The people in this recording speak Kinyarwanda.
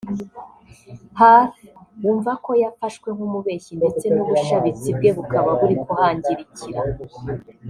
Harth wumva ko yafashwe nk’umubeshyi ndetse n’ubushabitsi bwe bukaba buri kuhangirikira